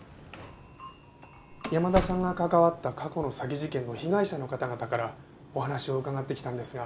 山田さんが関わった過去の詐欺事件の被害者の方々からお話を伺ってきたんですが。